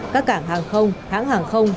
các cảng hàng không hãng hàng không